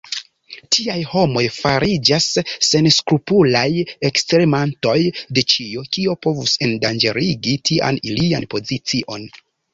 Tiaj homoj fariĝas senskrupulaj ekstermantoj de ĉio, kio povus endanĝerigi tian ilian pozicion.